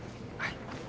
はい。